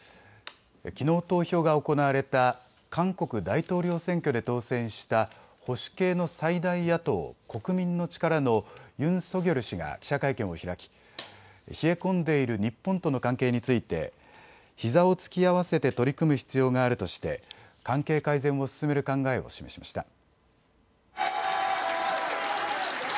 きのう投票が行われた韓国大統領選挙で当選した保守系の最大野党、国民の力のユン・ソギョル氏が記者会見を開き、冷え込んでいる日本との関係についてひざを突き合わせて取り組む必要があるとして関係改善を進める考えを示しました。